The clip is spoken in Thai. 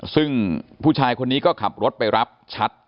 ซึ่งผู้ชายคนนี้ก็ขับรถไปรับชัด